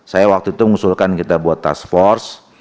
saya waktu itu mengusulkan kita buat task force